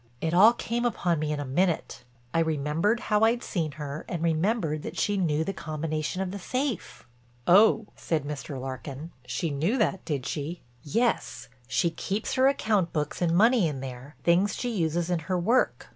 It all came upon me in a minute—I remembered how I'd seen her and remembered that she knew the combination of the safe." "Oh," said Mr. Larkin, "she knew that, did she?" "Yes, she keeps her account books and money in there, things she uses in her work.